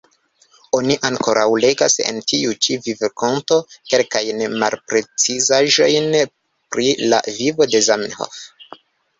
Oni ankoraŭ legas en tiu ĉi vivrakonto kelkajn malprecizaĵojn pri la vivo de Zamenhof.